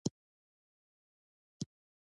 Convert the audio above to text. افغانستان کې د باران د پرمختګ هڅې روانې دي.